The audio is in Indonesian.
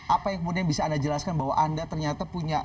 apa yang kemudian bisa anda jelaskan bahwa anda ternyata punya